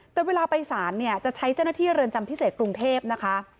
แต่เวลาไปสารเนี่ยจะใช้เจ้าหน้าที่เรือนจำพิเศษกรุงเทพนะคะ